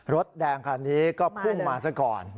รถแดงคันนี้ก็พุ่งมาซะก่อน